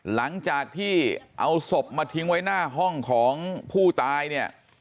หลังจากที่เอาศพมาทิ้งไว้หน้าห้องของผู้ตายเนี่ย